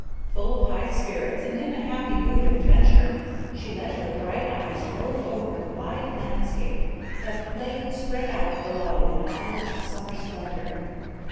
Full of high spirits and in a happy mood of adventure, she let her bright eyes rove over the wide landscape that lay spread out below in all its summer splendor.